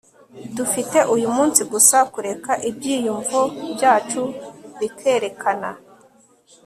dufite uyu munsi gusa kureka ibyiyumvo byacu bikerekana